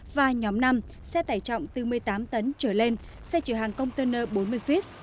và nhóm năm xe tải trọng từ một mươi tám tấn trở lên xe chở hàng container bốn mươi feet